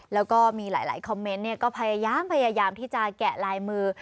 แล้วก็มีหลายคอมเมนต์ก็พยายามที่จะแกะลายมือ